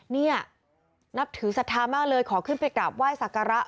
เนี่ยนับถือสถามากเลยขอขึ้นไปกราบไหว้สาการะ